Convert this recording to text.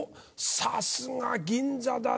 さすが銀座だな。